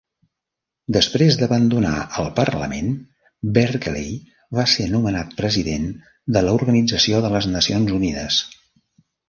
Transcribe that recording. Després d'abandonar el Parlament, Berkeley va ser nomenat president de l'Organització de les Nacions Unides.